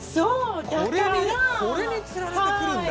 これにこれにつられて来るんだ！